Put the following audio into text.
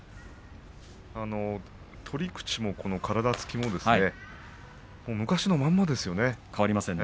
取り口も体つきも昔のままですよね。